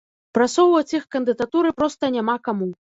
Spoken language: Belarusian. Прасоўваць іх кандыдатуры проста няма каму.